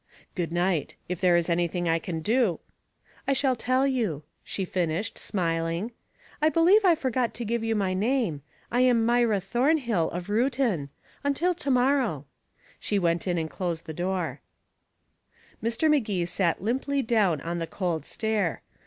"Good night. If there is anything I can do " "I shall tell you," she finished, smiling. "I believe I forgot to give you my name. I am Myra Thornhill, of Reuton. Until to morrow." She went in and closed the door. Mr. Magee sat limply down on the cold stair.